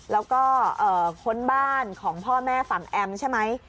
แล้วก็ค้นบ้านของพ่อแม่ฝั่งแอมใช่ไหม